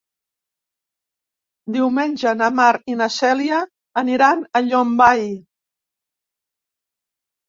Diumenge na Mar i na Cèlia aniran a Llombai.